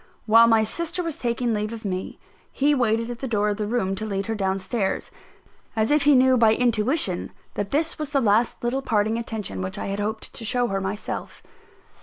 While my sister was taking leave of me, he waited at the door of the room to lead her down stairs, as if he knew by intuition that this was the last little parting attention which I had hoped to show her myself.